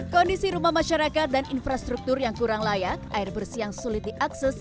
kondisi rumah masyarakat dan infrastruktur yang kurang layak air bersih yang sulit diakses